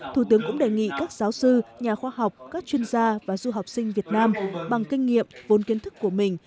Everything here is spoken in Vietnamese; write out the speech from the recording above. thủ tướng cũng đề nghị các giáo sư nhà khoa học các chuyên gia và du học sinh việt nam bằng kinh nghiệm vốn kiến thức của mình